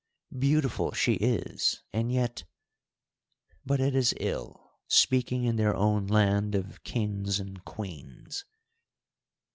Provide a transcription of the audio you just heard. Beautiful she is, and yet—but it is ill speaking in their own land of kings and queens!"